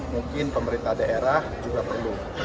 mungkin pemerintah daerah juga perlu